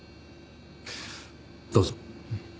どうぞ。